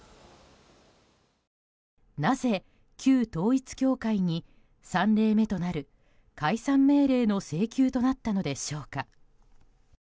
なぜ、旧統一教会に３例目となる解散命令の請求となったのでしょうか。